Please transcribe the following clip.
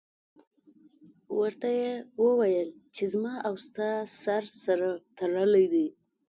ورته یې وویل چې زما او ستا سر سره تړلی دی.